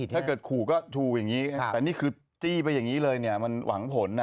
ถ้าเกิดขูก็ทูลอย่างนี้แต่นี่คือจี้ไปยังนี้เลยถึงหวังผล